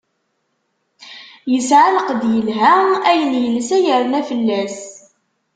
Yesɛa lqedd yelha, ayen yelsa yerna fell-as.